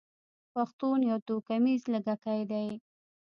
پښتون يو توکميز لږکي دی.